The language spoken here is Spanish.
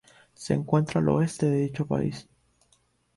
Se encuentra al oeste de dicho país.